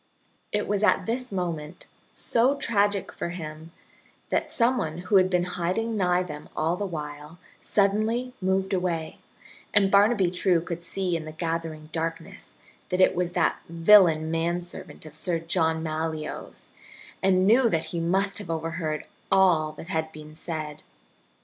It was at this moment, so tragic for him, that some one who had been hiding nigh them all the while suddenly moved away, and Barnaby True could see in the gathering darkness that it was that villain manservant of Sir John Malyoe's and knew that he must have overheard all that had been said.